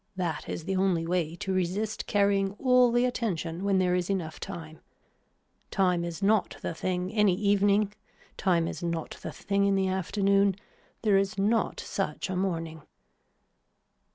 That is the only way to resist carrying all the attention when there is enough time. Time is not the thing any evening. Time is not the thing in the afternoon. There is not such a morning.